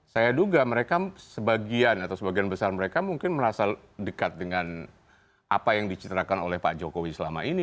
saya duga mereka sebagian atau sebagian besar mereka mungkin merasa dekat dengan apa yang dicitrakan oleh pak jokowi selama ini